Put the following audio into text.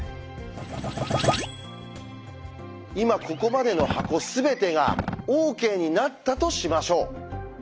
今ここまでの箱全てがＯＫになったとしましょう。